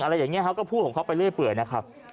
อะไรอย่างนี้เขาก็พูดของเขาไปเรื่อยนะครับ